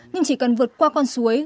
nhưng chỉ cần vượt qua con suối